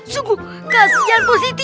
sungguh kasihan pusiti